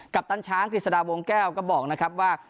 ปตันช้างกฤษฎาวงแก้วก็บอกนะครับว่า